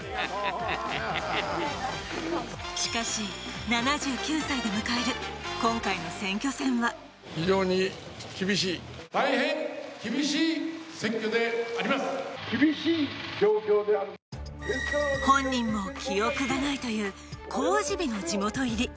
しかし７９歳で迎える今回の選挙戦は本人も記憶がないという公示日の地元入り。